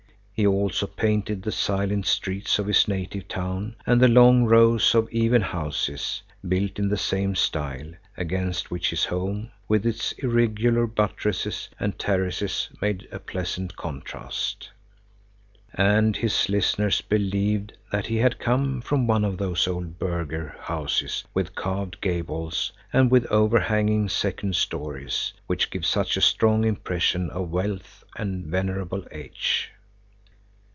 He also painted the silent streets of his native town and the long rows of even houses, built in the same style, against which his home, with its irregular buttresses and terraces, made a pleasant contrast. And his listeners believed that he had come from one of those old burgher houses with carved gables and with overhanging second stories, which give such a strong impression of wealth and venerable age.